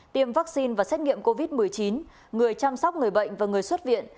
tiêm vaccine và xét nghiệm covid một mươi chín người chăm sóc người bệnh và người xuất viện